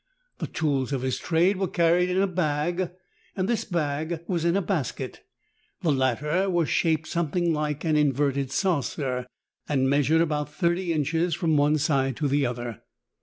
The tools of his trade were carried in a bag and this bag was in a basket ; the latter was shaped something like an inverted saucer and measured about thirty inches from one side to the other.